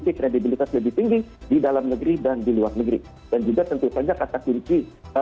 kita harus buktikan juga kepada dunia bahwa upaya kolektif asean ini